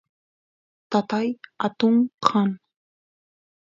tatay atun kan